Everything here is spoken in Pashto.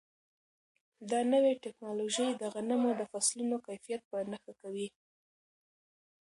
دا نوې ټیکنالوژي د غنمو د فصلونو کیفیت په نښه کوي.